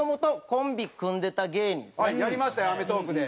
やりましたよ『アメトーーク』で。